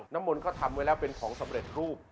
มนต์ก็ทำไว้แล้วเป็นของสำเร็จรูป